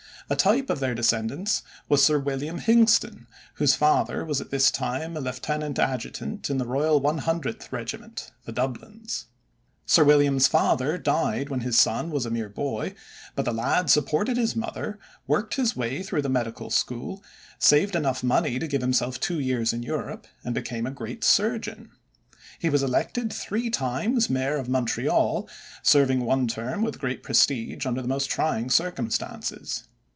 A type of their descendants was Sir William Hingston, whose father was at this time a lieutenant adjutant in the Royal 100th Regiment, "the Dublins." Sir William's father died when his son was a mere boy, but the lad supported his mother, worked his way through the medical school, saved enough money to give himself two years in Europe, and became a great surgeon. He was elected three times mayor of Montreal, serving one term with great prestige under the most trying circumstances.